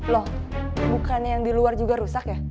loh bukan yang di luar juga rusak ya